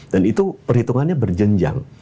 dan itu perhitungannya berjenjang